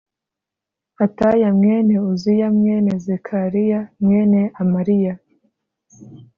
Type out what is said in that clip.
Ataya mwene Uziya mwene Zekariya mwene Amariya